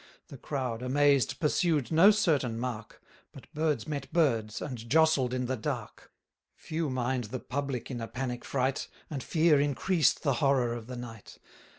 The crowd, amazed, pursued no certain mark; But birds met birds, and jostled in the dark: Few mind the public in a panic fright; And fear increased the horror of the night.